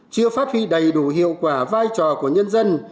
chưa phát huy đầy đủ hiệu quả vai trò của nhân dân